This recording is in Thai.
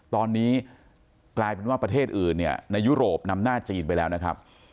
ตอนนี้กลายเป็นว่าประเทศอื่นเนี่ยในยุโรปนำหน้าจีนไปแล้วนะครับ